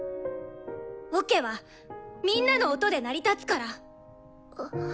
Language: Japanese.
オケはみんなの音で成り立つから。